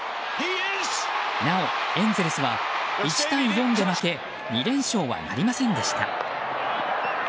なお、エンゼルスは１対４で負け２連勝はなりませんでした。